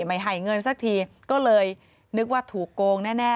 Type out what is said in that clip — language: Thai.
ไม่ให้เงินสักทีก็เลยนึกว่าถูกโกงแน่